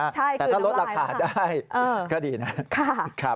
ใช่คือน้ำลายแล้วค่ะค่ะค่ะแต่ถ้ารสรรคาได้ก็ดีนะ